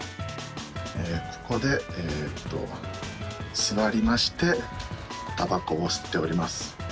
ここで座りまして、たばこを吸っております。